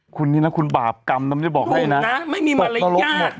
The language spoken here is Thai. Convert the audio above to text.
คุณนี่นะคุณบาปกรรมต้องบอกให้นะตกตะลดหมดไม่นะนุ่มนะไม่มีมารยาท